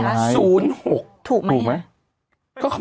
ฟังลูกครับ